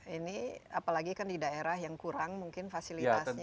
ini apalagi kan di daerah yang kurang mungkin fasilitasnya